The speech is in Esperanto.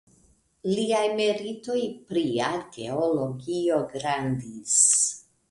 Liaj meritoj pri arkeologio grandis.